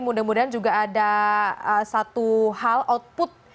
mudah mudahan juga ada satu hal output